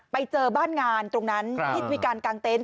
ไปเจอบ้านงานตรงนั้นวิการกลางเต้น